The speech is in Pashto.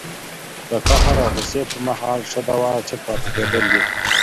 د قهر او غوسې پر مهال ښه دوا چپ پاتې کېدل دي